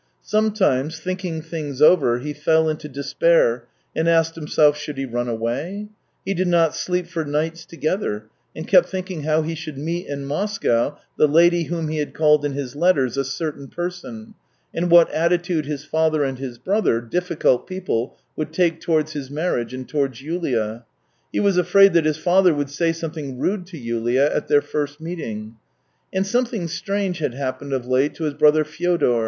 Sometimes, think ing things over, he fell into despair and asked him self: should he run away ? He did not sleep for nights together, and kept thinking how he should meet in Moscow the lady whom he had called in his letters " a certain person," and what attitude his father and his brother, difficult people, would take towards his marriage and towards Yulia. He was afraid that his father would say something rude to Yulia at their first meeting. And something strange had happened of late to his brother Fyodor.